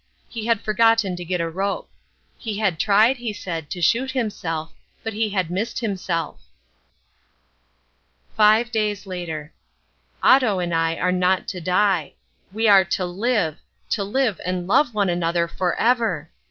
He had forgotten to get a rope. He had tried, he said, to shoot himself. But he had missed himself. Five Days Later. Otto and I are not to die. We are to live; to live and love one another for ever!